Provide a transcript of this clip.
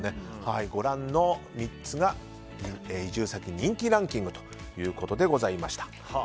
ご覧の３つが移住先人気ランキングということでした。